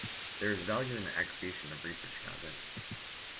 There is value in the aggregation of research content.